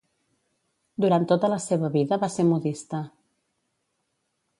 Durant tota la seva vida va ser modista.